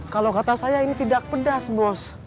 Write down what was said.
kalau kata saya ini tidak pedas bos